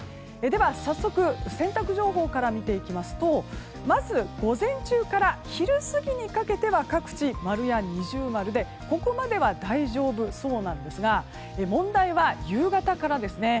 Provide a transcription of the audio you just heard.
早速、洗濯情報から見ていきますとまず、午前中から昼過ぎにかけては各地、丸や二重丸でここまでは大丈夫そうなんですが問題は夕方からですね。